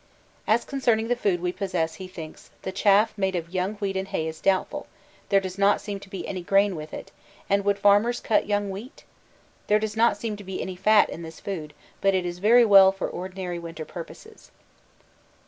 As concerning the food we possess he thinks: The chaff made of young wheat and hay is doubtful; there does not seem to be any grain with it and would farmers cut young wheat? There does not seem to be any 'fat' in this food, but it is very well for ordinary winter purposes.